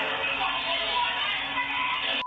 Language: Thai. แล้วเราก็ได้รับทั้งละฮัง